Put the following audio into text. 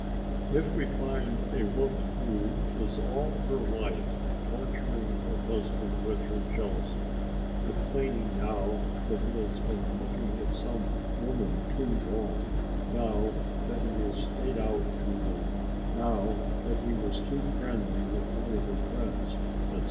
If we find a woman who is all her life torturing her husband with her jealousy, complaining now that he has been looking at some woman too long, now that he stayed out too long, now that he was too friendly with one of her friends, etc.